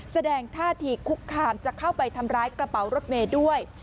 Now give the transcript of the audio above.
แสดงท่าทีคุกคามจะเข้าไปทำร้ายกระเป๋ารถเมย์ด้วย